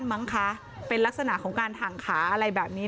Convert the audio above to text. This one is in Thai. มั้งคะเป็นลักษณะของการถังขาอะไรแบบนี้